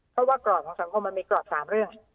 เพราะว่ากรอบของสังคมมันมีกรอบ๓เรื่อง